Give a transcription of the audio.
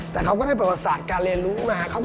แต่เขาก็ได้ประสาทการเรียนรู้มา